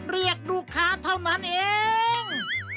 เรียกลูกค้าเท่านั้นเอง